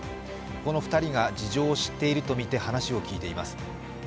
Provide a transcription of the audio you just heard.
この２人が事情を知っているとみて話を聞いています。